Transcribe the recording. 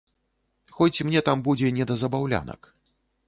Хоць мне там будзе не да забаўлянак.